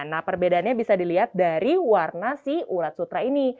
nah perbedaannya bisa dilihat dari warna si ulat sutra ini